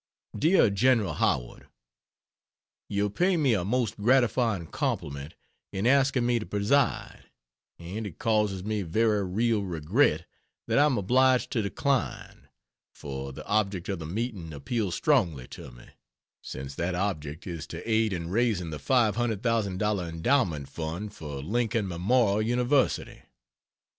DEAR GENERAL HOWARD, You pay me a most gratifying compliment in asking me to preside, and it causes me very real regret that I am obliged to decline, for the object of the meeting appeals strongly to me, since that object is to aid in raising the $500,000 Endowment Fund for Lincoln Memorial University.